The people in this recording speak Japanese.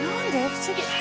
不思議。